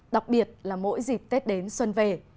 đặc biệt là mỗi dịp tết đến xuân về